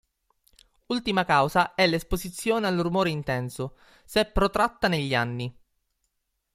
Ultima causa è l'esposizione al rumore intenso, se protratta negli anni.